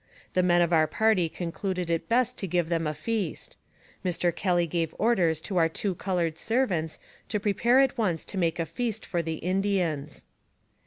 The men of our party concluded it best to give them a feast. Mr. Kelly gave orders to our two colored servants to pre pare at once to make a feast for the Indians.